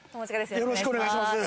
よろしくお願いします